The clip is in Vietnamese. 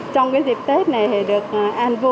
trong cái dịp tết này thì được an vui và hạnh phúc